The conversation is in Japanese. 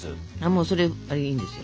もうそれいいんですよ。